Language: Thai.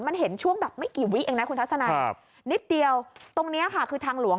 มันเห็นช่วงแบบไม่กี่วิเองนะคุณทัศนัยครับนิดเดียวตรงเนี้ยค่ะคือทางหลวง